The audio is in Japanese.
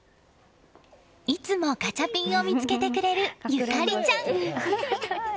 いつもガチャピンを見つけてくれる紫ちゃん。